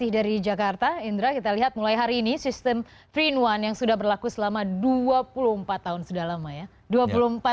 dari jakarta indra kita lihat mulai hari ini sistem tiga in satu yang sudah berlaku selama dua puluh empat tahun sudah lama ya